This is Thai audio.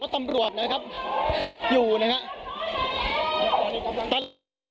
ตำรวจนะครับอยู่นะครับ